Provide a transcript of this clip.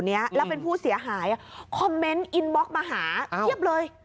เนี้ยแล้วเป็นผู้เสียหายคอมเมนต์อินบล็อกมาหาเพียบเลย